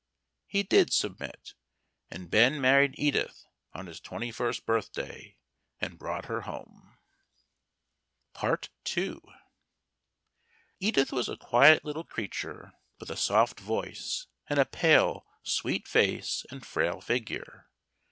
He did submit, and Ben married Edith on his twenty first birthday, and brought her home. II. Edith was a quiet little creature, with a soft voice, and a pale, sweet face, and frail figure.